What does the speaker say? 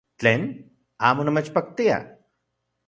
¡Tlen! ¿Amo namechpaktia?